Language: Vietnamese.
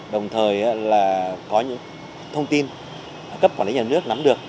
đồng thời là có những thông tin cấp quản lý nhà nước nắm được